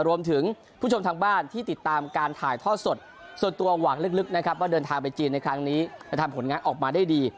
คุณผู้ชมผู้ชมทางบ้านที่ติดตามการถ่ายทอดสดส่วนตัวหวังลึกนะครับว่าเดินทางไปจีนในครั้งนี้จะทำผลงานออกมาได้ดี